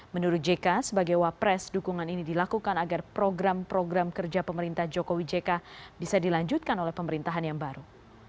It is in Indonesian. menurut jk sebagai wapres dukungan ini dilakukan agar program program kerja pemerintah jokowi jk bisa dilanjutkan oleh pemerintahan yang baru